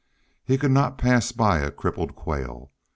He could not pass by a crippled quail.